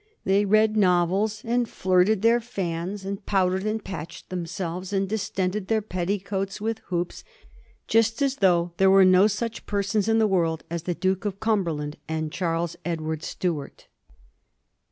They read novels and flirted their fans, and powdered and patched themselves, and distended their petticoats with hoops, just as though there were no such persons in the world as the Duke of Cumberland and Charles Edward Stuart."